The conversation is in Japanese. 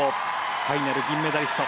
ファイナル銀メダリスト。